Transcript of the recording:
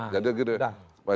jadi gini pak